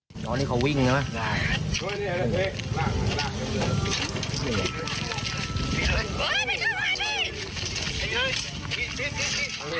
เอ๊ะทำไมมันอีก